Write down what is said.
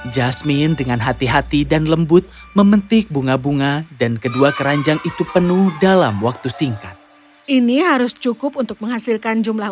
jasmine dengan hati hati dan lembut memetik bunga bunga dan kedua keranjang itu penuh dalam waktu sejarah